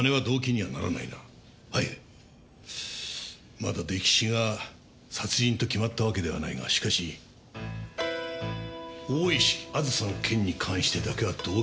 まだ溺死が殺人と決まったわけではないがしかし大石あずさの件に関してだけは動機がある。